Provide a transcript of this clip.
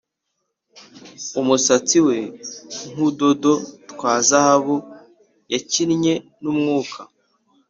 umusatsi we nkudodo twa zahabu yakinnye numwuka